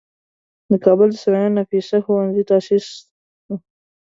د کابل د صنایعو نفیسه ښوونځی تاسیس شو.